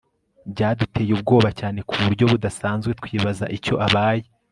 byaduteye ubwoba cyane kuburyo budasanzwe twibaza icyo abaye